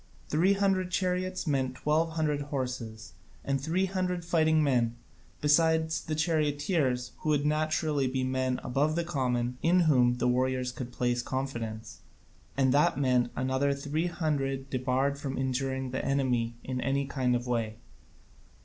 Three hundred chariots meant twelve hundred horses and three hundred fighting men, besides the charioteers, who would naturally be men above the common, in whom the warriors could place confidence: and that meant another three hundred debarred from injuring the enemy in any kind of way.